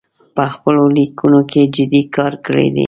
په خپلو لیکنو کې جدي کار کړی دی